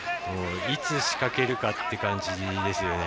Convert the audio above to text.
いつ、仕掛けるかって感じです。